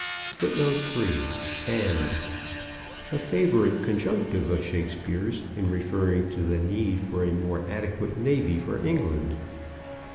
3. and. A favorite conjunctive of Shakespeare's in referring to the need for a more adequate navy for England.